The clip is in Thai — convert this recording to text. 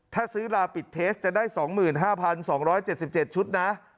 ถ้าซื้อลาปิดเทสจะได้๒๕๒๗๗ชุดนะ